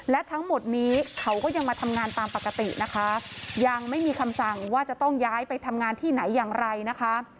และทั้งหมดนี้เขาก็ยังมาทำงานตามปกตินะคะยังไม่มีคำสั่งว่าจะต้องย้ายไปทำงานที่ไหนอย่างไรนะคะ